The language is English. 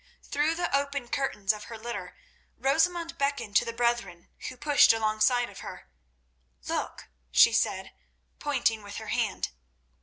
Through the open curtains of her litter Rosamund beckoned to the brethren, who pushed alongside of her. "Look," she said, pointing with her hand.